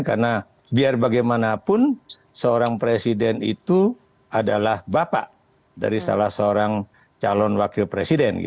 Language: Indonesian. karena biar bagaimanapun seorang presiden itu adalah bapak dari salah seorang calon wakil presiden